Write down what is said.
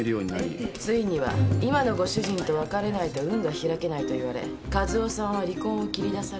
ついには今のご主人と別れないと運が開けないと言われ和夫さんは離婚を切り出されたと。